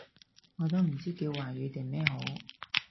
我都唔知叫華語定咩好